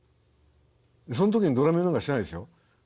その時にドラミングなんかしないですよ。